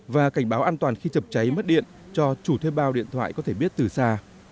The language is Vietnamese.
và cảnh báo an toàn khi chập cháy mất điện cho chủ thuê bao điện thoại có thể biết từ xa